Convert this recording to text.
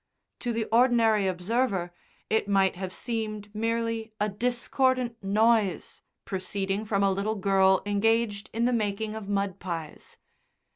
To the ordinary observer, it might have seemed merely a discordant noise proceeding from a little girl engaged in the making of mud pies.